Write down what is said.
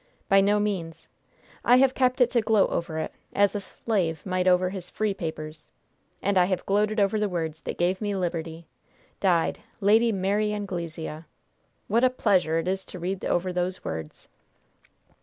By no means. I have kept it to gloat over it, as a slave might over his 'free papers.' And I have gloated over the words that gave me liberty. 'Died' 'Lady Mary Anglesea.' What a pleasure it is to read over these words!"